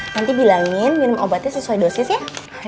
nanti bilangin minum obatnya sesuai dosis ya